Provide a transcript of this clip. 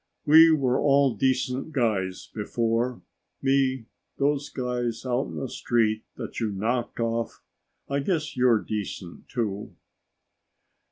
We were all decent guys before. Me, those guys out in the street that you knocked off. I guess you're decent, too."